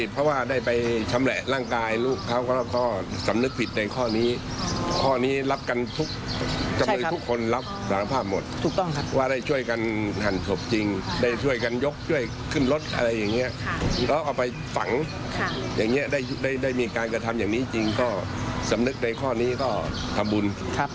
อย่างนี้ได้มีการกระทำอย่างนี้จริงก็สำนึกในข้อนี้ก็ทำบุญ